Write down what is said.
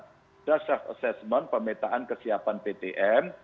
sudah self assessment pemetaan kesiapan ptm